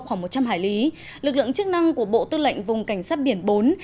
khoảng một trăm linh hải lý lực lượng chức năng của bộ tư lệnh vùng cảnh sát biển bốn